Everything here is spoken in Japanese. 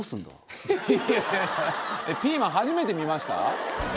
ピーマン初めて見ました？